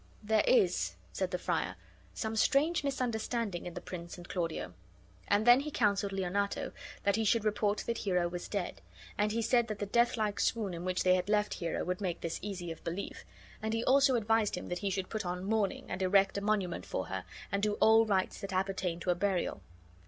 "There is," said the friar, "some strange misunderstanding in the prince and Claudio." And then he counseled Leonato that he should report that Hero was dead; and he said that the deathlike swoon in which they had left Hero would make this easy of belief; and he also advised him that he should put on mourning, and erect a monument for her, and do all rites that appertain to a burial.